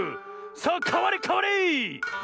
さあかわれかわれ！